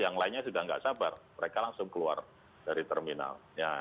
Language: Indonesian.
yang lainnya sudah tidak sabar mereka langsung keluar dari terminal